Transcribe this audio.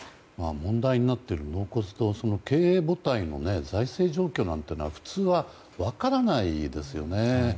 問題になっている納骨堂の経営母体の財政状況なんてのは普通は分からないですよね。